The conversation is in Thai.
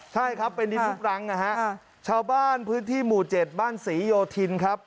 ใช่ครับเป็นดินทุกรังนะฮะชาวบ้านพื้นที่หมู่๗บ้านศรีโยธินครับ